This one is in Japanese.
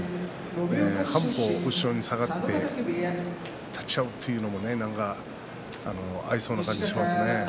半歩後ろに下がって立ち合うというのも合いそうな感じがしますね。